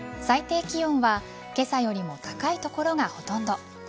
最低気温は今朝よりも高い所がほとんど。